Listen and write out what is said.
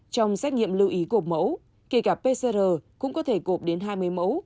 trong xét nghiệm lưu ý gộp mẫu kể cả pcr cũng có thể gộp đến hai mươi mẫu